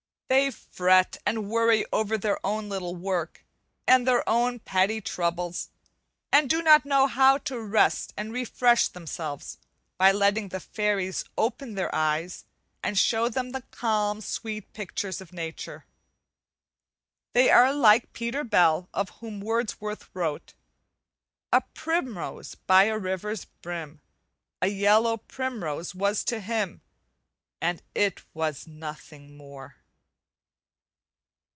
They fret and worry over their own little work and their own petty troubles, and do not know how to rest and refresh themselves, by letting the fairies open their eyes and show them the calm sweet picture of nature. They are like Peter Bell of whom Wordsworth wrote: "A primrose by a river's brim A yellow primrose was to him, And it was nothing more."